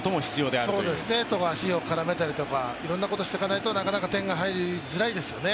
足を絡めたりとかいろんなことをしていかないとなかなか点が入りづらいですよね